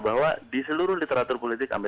bahwa di seluruh literatur politik